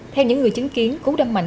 theo những người chứng kiến cú đâm mạnh